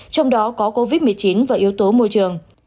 trong đó có covid một mươi chín và yếu tố môi trường